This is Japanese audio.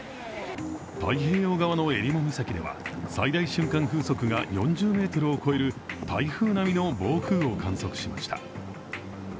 太平洋側のえりも岬では最大瞬間風速が４０メートルを超える台風並みの暴風を観測しました。